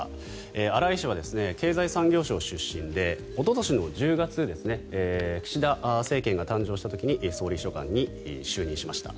荒井氏は経済産業省出身でおととしの１０月岸田政権が誕生した時に総理秘書官に就任しました。